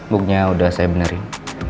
booknya udah saya benerin